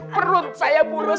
perut saya mulus